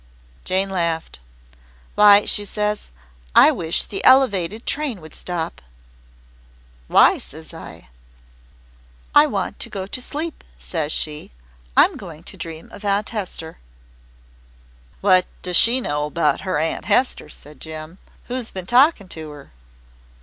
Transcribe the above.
Jane laughed. "'Why,' she says, 'I wish the Elevated train would stop.' "'Why?' says I. "'I want to go to sleep,' says she. 'I'm going to dream of Aunt Hester.'" "What does she know about her Aunt Hester," said Jem. "Who's been talkin' to her?"